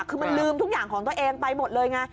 คือมันลืมทุกอย่างของตัวเองไปหมดเลยไง